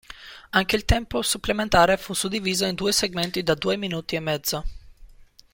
Anche il tempo supplementare fu suddiviso in due segmenti da due minuti e mezzo.